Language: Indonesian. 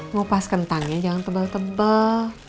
ngupas kentangnya jangan tebal tebal